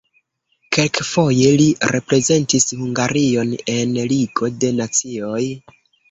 Kelkfoje li reprezentis Hungarion en Ligo de Nacioj.